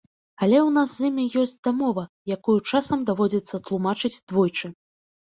Але ў нас з імі ёсць дамова, якую часам даводзіцца тлумачыць двойчы.